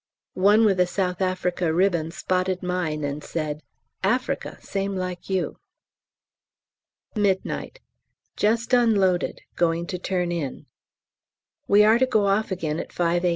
One with a S.A. ribbon spotted mine and said, "Africa same like you." Midnight. Just unloaded, going to turn in; we are to go off again at 5 A.